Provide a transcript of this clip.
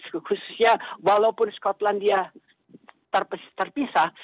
khususnya walaupun skotlandia terpisah